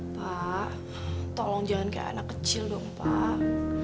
pak tolong jangan kayak anak kecil dong pak